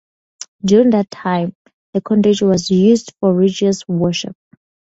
During that time, the cottage was used for religious worship.